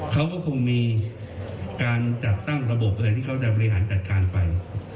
เขาก็คงมีการจัดตั้งระบบอะไรที่เขาจะบริหารจัดการไป